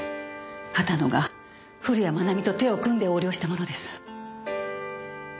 畑野が古谷愛美と手を組んで横領したものです。